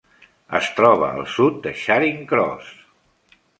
Es troba al sud de Charing Cross.